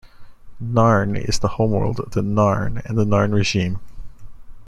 Narn is the homeworld of the Narn and the Narn Regime.